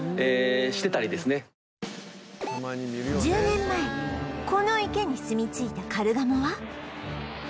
１０年前この池にすみ着いたカルガモは